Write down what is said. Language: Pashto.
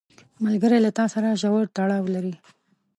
ملګری له تا سره ژور تړاو لري